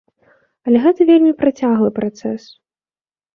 Але гэта вельмі працяглы працэс.